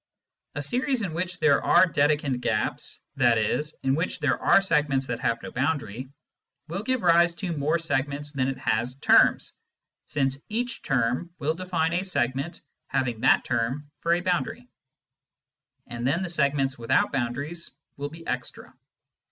A series in which there are Dedekind gaps, i.e. in which there are segments that have no boundary, will give rise to more segments than it has terms, since each term will define a segment having that term for boundary, and then the segments without boundaries will be extra.